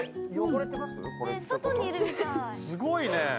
・すごいね。